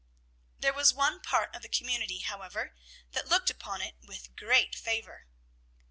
There was one part of the community, however, that looked upon it with great favor.